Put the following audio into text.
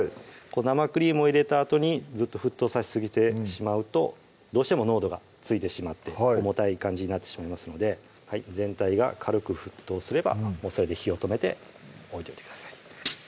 生クリームを入れたあとにずっと沸騰させすぎてしまうとどうしても濃度がついてしまって重たい感じになってしまいますので全体が軽く沸騰すればもうそれで火を止めて置いといてください